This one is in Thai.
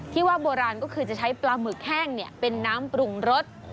ที่ว่าโบราณก็คือจะใช้ปลาหมึกแห้งเป็นน้ำปรุงรส